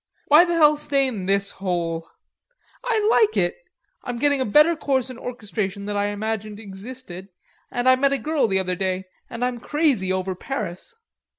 "Why the hell stay in this hole?" "I like it. I'm getting a better course in orchestration than I imagined existed, and I met a girl the other day, and I'm crazy over Paris."